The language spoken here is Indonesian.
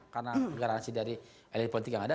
karena garansi dari elit politik yang ada